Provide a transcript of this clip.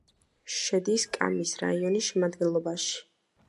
შედის კამის რაიონის შემადგენლობაში.